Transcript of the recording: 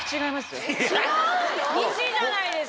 西じゃないですか。